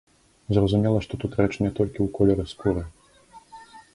Зразумела, што тут рэч не толькі ў колеры скуры.